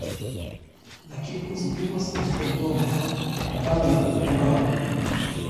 La kirko situas inter domoj laŭ la trotuaro.